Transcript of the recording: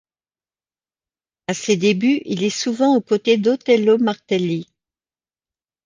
À ses débuts, il est souvent aux côtés d'Otello Martelli.